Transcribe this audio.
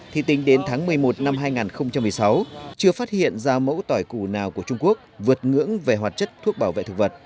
thì tính đến tháng một mươi một năm hai nghìn một mươi sáu chưa phát hiện ra mẫu tỏi củ nào của trung quốc vượt ngưỡng về hoạt chất thuốc bảo vệ thực vật